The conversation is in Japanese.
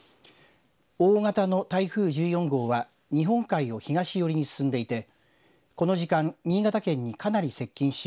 大型の台風１４号は日本海を東寄りに進んでいてこの時間新潟県にかなり接近し